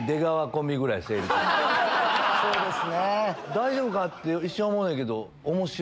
大丈夫か？って一瞬思うんやけど。